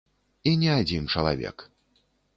І не адзін чалавек.